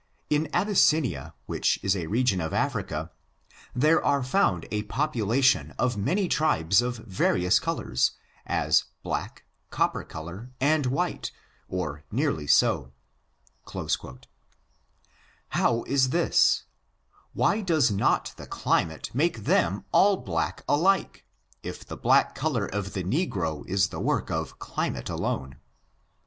In Abyssinia, which is a region of Africa," says the Uni versal Traveler, page 467, " there are found a popu lation of many tribes of various colors, as black, cop per color, and white, or nearly so." How is this? why does not the climate make them all black alike, if the black color of the negro is the work of climate alone